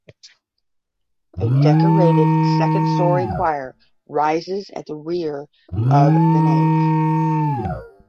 A decorated second story choir rises at the rear of the nave.